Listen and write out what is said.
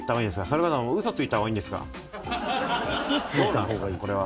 それとも嘘ついた方がいいんですか？